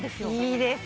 いいです。